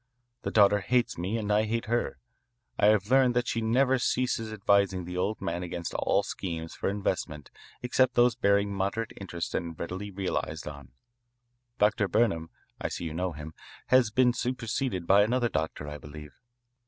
The daughter hates me and I hate her. I have learned that she never ceases advising the old man against all schemes for investment except those bearing moderate interest and readily realised on. Dr. Burnham I see you know him has been superseded by another doctor, I believe.